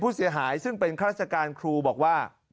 ผู้เสียหายซึ่งเป็นครัฐการคลุบอกว่า